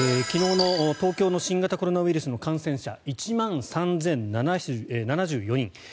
昨日の東京の新型コロナウイルスの感染者１万３０７４人。